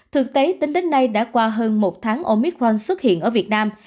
thực tế tính đến nay đã qua hơn một tháng omicron xuất hiện ở việt nam